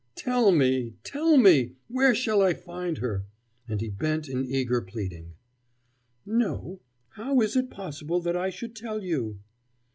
"Tell me! tell me! Where shall I find her?" and he bent in eager pleading. "No. How is it possible that I should tell you?"